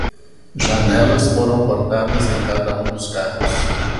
Janelas foram cortadas em cada um dos carros.